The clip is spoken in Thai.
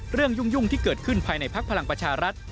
เรื่องยุ่งที่เกิดขึ้นภายในภาคพลังประชารัฐ